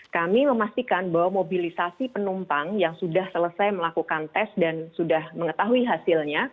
kami memastikan bahwa mobilisasi penumpang yang sudah selesai melakukan tes dan sudah mengetahui hasilnya